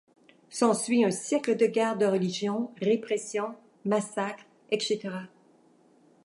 S'ensuit un siècle de guerres de religion, répressions, massacres, etc.